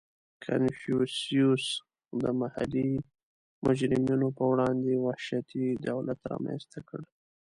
• کنفوسیوس د محلي مجرمینو په وړاندې وحشتي دولت رامنځته کړ.